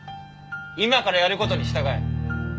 今からやる事に従え。